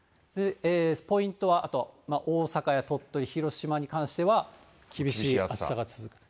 ポイントはあと大阪や鳥取、広島に関しては、厳しい暑さが続く。